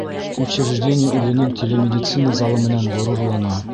Учреждение үҙенең телемедицина залы менән ғорурлана.